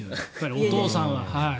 お父さんは。